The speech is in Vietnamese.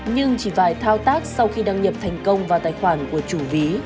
nhưng chỉ vài thao tác sau khi đăng nhập thành công vào tài khoản của chủ ví